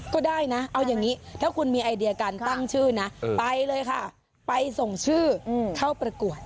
ก็ได้นะเอาอย่างนี้ถ้าคุณมีไอเดียการตั้งชื่อนะไปเลยค่ะไปส่งชื่อเข้าประกวด